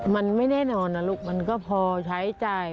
มันไม่แน่นอนนะลูกมันก็พอใช้จ่าย